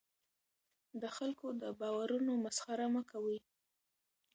د خلکو د باورونو مسخره مه کوه.